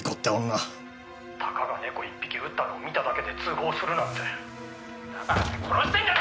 「たかが猫１匹撃ったのを見ただけで通報するなんて」